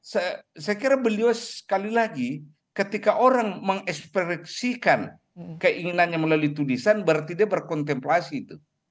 saya kira beliau sekali lagi ketika orang mengekspresikan keinginannya melalui tulisan berarti dia berkontemplasi itu